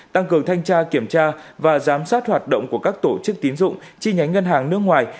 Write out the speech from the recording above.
tăng cường thanh tra kiểm tra và giám sát hoạt động của các tổ chức tín dụng chi nhánh ngân hàng nước ngoài